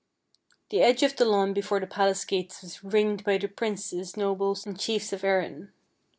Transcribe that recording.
The edge of the lawn before the palace gates was ringed by the princes, nobles, and chiefs of Erin.